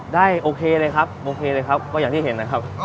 ได้โอเคเลยครับโอเคเลยครับก็อย่างที่เห็นนะครับ